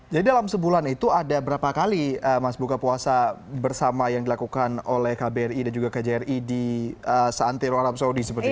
jadi dalam sebulan itu ada berapa kali mas buka puasa bersama yang dilakukan oleh kbri dan juga kjri di santir arab saudi seperti itu